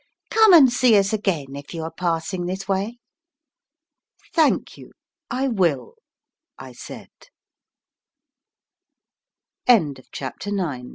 "Come and see us again if you are passing this way." "Thank you, I will," I said. CHAPTER X. NIGHT AN